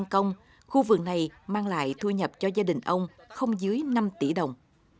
năm công khu vườn này mang lại thu nhập cho gia đình ông không dưới năm tỷ đồng